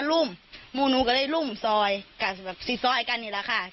นี่นี่นี่นี่นี่นี่นี่นี่นี่นี่นี่นี่นี่นี่นี่นี่นี่นี่นี่